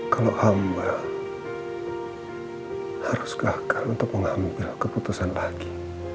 kalau hamba harus gagal untuk mengambil keputusan lagi